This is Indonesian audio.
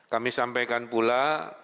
kami sampaikan pula